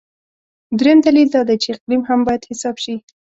درېیم دلیل دا دی چې اقلیم هم باید حساب شي.